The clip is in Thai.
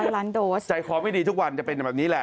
ล้านโดสใจคอไม่ดีทุกวันจะเป็นแบบนี้แหละ